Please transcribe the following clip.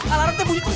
alarm teh bunyi terus